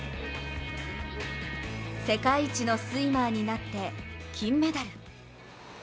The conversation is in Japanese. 世界一のスイマーになって金メダル。